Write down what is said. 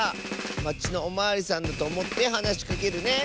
まちのおまわりさんだとおもってはなしかけるね！